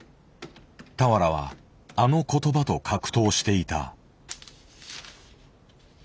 俵はあの言葉と格闘していた。